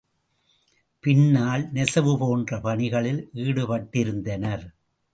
பின்னல், நெசவு போன்ற பணிகளில் ஈடுபட்டிருந்தனர்.